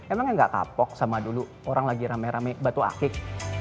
emangnya gak kapok sama dulu orang lagi rame rame batu akik